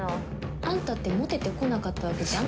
アンタってモテてこなかったわけじゃん。